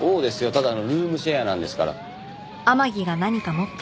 ただのルームシェアなんですから。